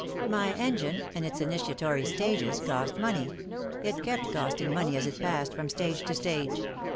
My engine, in its initiatory stages, cost money; it kept costing money as it passed from stage to stage.